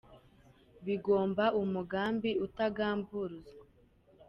Bigomba umugambi utagamburuzwa